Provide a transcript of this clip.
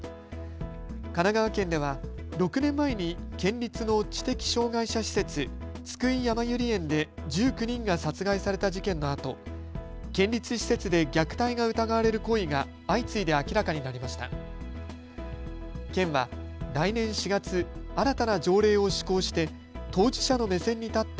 神奈川県では６年前に県立の知的障害者施設、津久井やまゆり園で１９人が殺害された事件のあと県立施設で虐待が疑われる行為が相次いで明らかになりました。